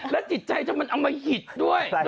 และจิตใจจะมันเอาม่าหิดด้วย